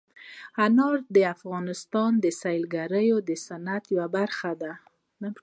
انار د افغانستان د سیلګرۍ د صنعت یوه برخه ده.